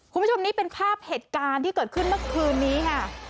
คุณผู้ชมนี่เป็นภาพเหตุการณ์ที่เกิดขึ้นเมื่อคืนนี้ค่ะ